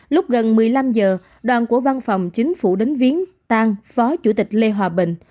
lúc gần một mươi năm giờ đoàn của văn phòng chính phủ đến viến tan phó chủ tịch lê hòa bình